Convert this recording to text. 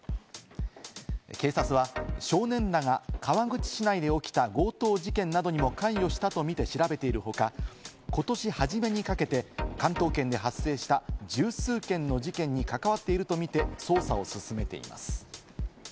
警察は少年らが川口市内で起きた強盗事件などにも関与したとみて調べている他、今年初めにかけて、関東圏で発生した十数件の事件に関わっているとみて捜査を進めています。